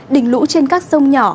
đỉnh lũ trên các sông nhỏ